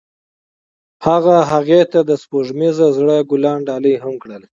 هغه هغې ته د سپوږمیز زړه ګلان ډالۍ هم کړل.